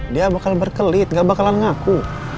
dia bakal berkelit gak bakalan ngaku